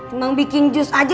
emang bikin jus aja